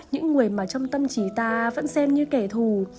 những người mà trong tâm trí ta vẫn xem như kẻ thù